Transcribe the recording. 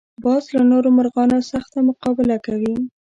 باز له نورو مرغانو سخته مقابله کوي